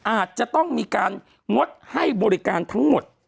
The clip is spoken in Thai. อาจจะต้องมีการงดให้บริการทั้งหมด